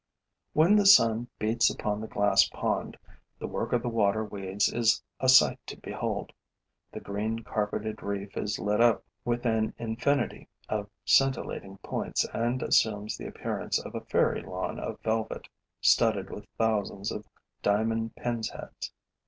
When the sun beats upon the glass pond, the work of the water weeds is a sight to behold. The green carpeted reef is lit up with an infinity of scintillating points and assumes the appearance of a fairy lawn of velvet, studded with thousands of diamond pin's heads.